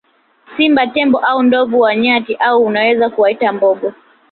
Simba Tembo au ndovu na nyati au unaweza kuwaita mbogo